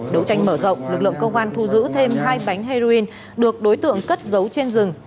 đấu tranh mở rộng lực lượng công an thu giữ thêm hai bánh heroin được đối tượng cất dấu trên rừng